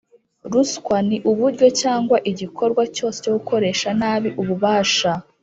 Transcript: Ruswa ni uburyo cyangwa igikorwa cyose cyo gukoresha nabi ububasha